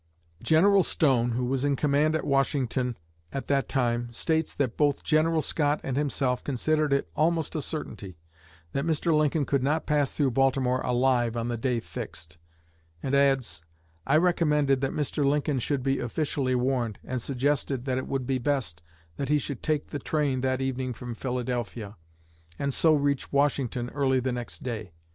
General Stone, who was in command at Washington at that time, states that both General Scott and himself "considered it almost a certainty that Mr. Lincoln could not pass through Baltimore alive on the day fixed," and adds: "I recommended that Mr. Lincoln should be officially warned; and suggested that it would be best that he should take the train that evening from Philadelphia, and so reach Washington early the next day.